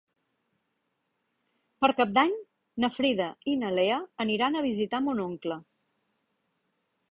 Per Cap d'Any na Frida i na Lea aniran a visitar mon oncle.